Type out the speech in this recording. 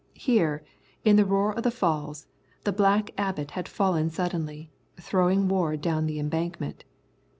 Here, in the roar of the falls, the Black Abbot had fallen suddenly, throwing Ward down the embankment.